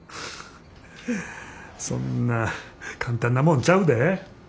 そんな簡単なもんちゃうで。